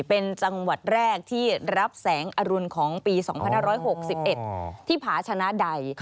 เป็นจังหวัดแรกที่รับแสงอรุณของปี๒๕๖๑ที่ผาชนะใด